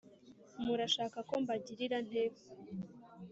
Murashaka ko mbagirira nte